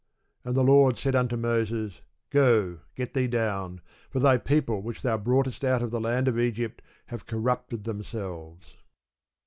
And the Lord said unto Moses, Go, get thee down; for thy people which thou broughtest out of the land of Egypt, have corrupted themselves.